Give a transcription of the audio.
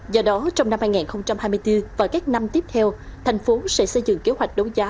do đó trong năm hai nghìn hai mươi bốn và các năm tiếp theo thành phố sẽ xây dựng kế hoạch đấu giá